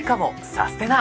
サステナ！